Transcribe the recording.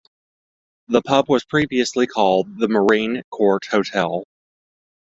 The pub was previously called the Marine Court Hotel.